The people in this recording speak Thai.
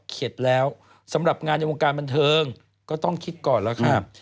แล้วสำหรับงานในวงการบันเทิงก็ต้องคิดก่อนแล้วค่ะ